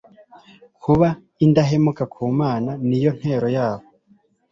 Kuba indahemuka ku Mana ni yo ntero yabo